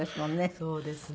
そうですね。